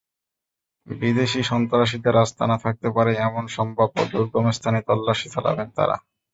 বিদেশি সন্ত্রাসীদের আস্তানা থাকতে পারে—এমন সম্ভাব্য দুর্গম স্থানে তল্লাশি চালাবেন তাঁরা।